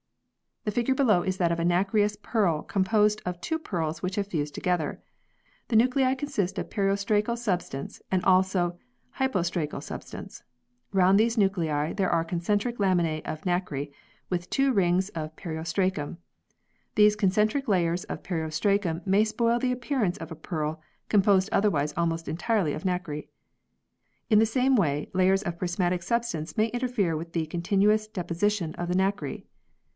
The figure below is that of a nacreous pearl com posed of two pearls which have fused together. The nuclei consist of periostracal substance and also hypostracal substance. Round these nuclei there are concentric laminae of nacre with two rings of periostracum. These concentric layers of peri ostracum may spoil the appearance of a pearl, com posed otherwise almost entirely of nacre. In the same way, layers of prismatic substance may interfere with the continuous deposition of the nacre.